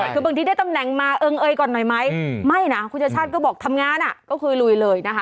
คือบางทีได้ตำแหน่งมาเอิงเอยก่อนหน่อยไหมไม่นะคุณชาติชาติก็บอกทำงานก็คือลุยเลยนะคะ